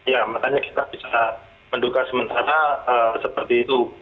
ya makanya kita bisa menduga sementara seperti itu